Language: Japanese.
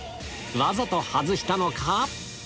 わざと外したのか？